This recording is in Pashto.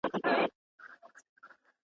چي په مرگ ئې ونيسې، په تبه به راضي سي.